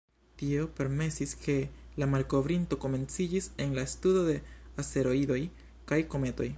Tio permesis, ke la malkovrinto komenciĝis en la studo de asteroidoj kaj kometoj.